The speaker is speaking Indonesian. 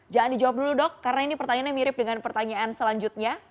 jangan dijawab dulu dok karena ini pertanyaannya mirip dengan pertanyaan selanjutnya